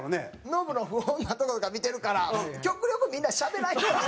ノブの不穏なとことか見てるから極力みんなしゃべらんように。